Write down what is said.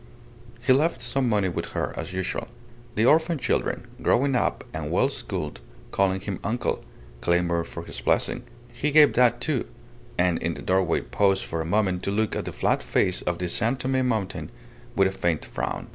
He left some money with her, as usual. The orphaned children, growing up and well schooled, calling him uncle, clamoured for his blessing. He gave that, too; and in the doorway paused for a moment to look at the flat face of the San Tome mountain with a faint frown.